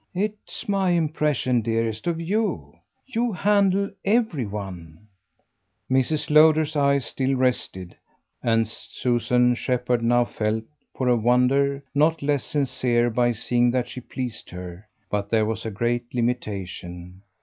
"It's my impression, dearest, of you. You handle every one." Mrs. Lowder's eyes still rested, and Susan Shepherd now felt, for a wonder, not less sincere by seeing that she pleased her. But there was a great limitation.